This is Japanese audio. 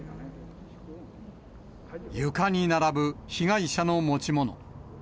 床に並ぶ被害者の持ち物。